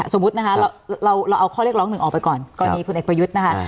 สมมุตินะคะเราเอาข้อเรียกร้องหนึ่งออกไปก่อนกรณีพลเอกประยุทธ์นะคะ